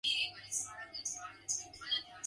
The adjective is either "neotenic" or "neotenous".